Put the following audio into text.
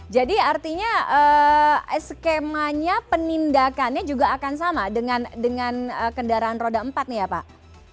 jadi artinya skemanya penindakannya juga akan sama dengan kendaraan roda empat nih ya pak